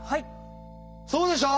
そうでしょう？